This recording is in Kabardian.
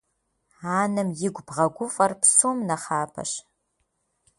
Анэм игу бгъэгуфӏэр псом нэхъапэщ.